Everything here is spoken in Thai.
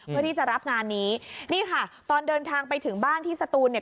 เพื่อที่จะรับงานนี้นี่ค่ะตอนเดินทางไปถึงบ้านที่สตูนเนี่ย